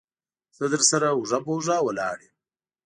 زه درسره اوږه په اوږه ولاړ يم.